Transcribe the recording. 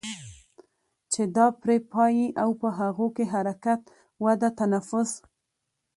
چې دا پرې پايي او په هغو کې حرکت، وده، تنفس